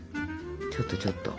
ちょっとちょっと。